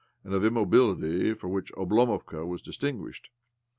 and of immobility for which Oblomovka was distinguished.